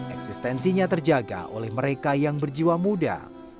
eksistensinya terjaga oleh mereka yang berjiwa muda